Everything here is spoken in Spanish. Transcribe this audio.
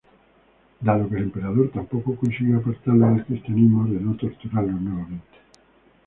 Dado que el emperador tampoco consiguió apartarlo del cristianismo, ordenó torturarlo nuevamente.